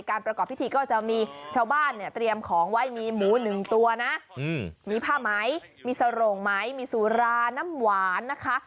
ประกอบพิธีก็จะมีชาวบ้านเนี่ยเตรียมของไว้มีหมูหนึ่งตัวนะมีผ้าไหมมีสโรงไหมมีสุราน้ำหวานนะคะ